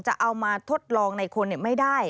จะเอามาทดลองในคนไม่ได้